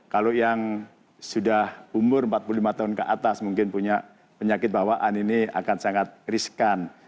kalau yang sudah umur empat puluh lima tahun ke atas mungkin punya penyakit bawaan ini akan sangat riskan